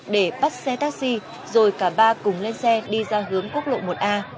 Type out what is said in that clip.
để bắt xe taxi rồi cả ba cùng lên xe đi ra hướng quốc lộ một a